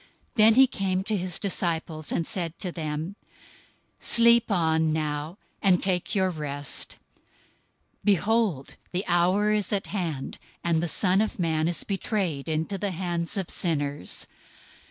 026:045 Then he came to his disciples, and said to them, "Sleep on now, and take your rest. Behold, the hour is at hand, and the Son of Man is betrayed into the hands of sinners.